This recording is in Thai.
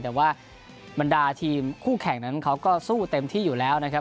แต่ว่าบรรดาทีมคู่แข่งนั้นเขาก็สู้เต็มที่อยู่แล้วนะครับ